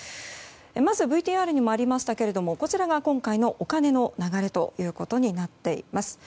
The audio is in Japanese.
まずＶＴＲにもありましたがこちらが今回のお金の流れとなっています。